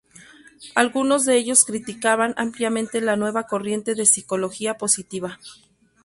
Algunos de ellos criticaban ampliamente la nueva corriente de Psicología Positiva.